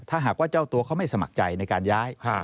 ถ้าหากว่าเจ้าตัวเขาไม่สมัครใจในการย้าย